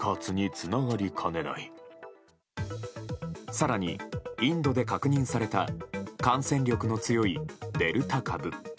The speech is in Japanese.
更に、インドで確認された感染力の強いデルタ株。